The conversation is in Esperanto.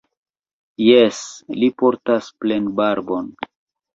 Jes, li portas plenbarbon.